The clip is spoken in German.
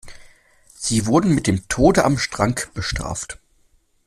Sie wurden mit dem Tode am Strang bestraft.